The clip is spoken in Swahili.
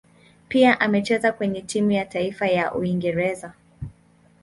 Pia amecheza kwenye timu ya taifa ya Uingereza.